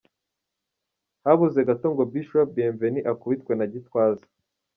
Habuze gato ngo Bishop Bienvenue akubitwe na Gitwaza.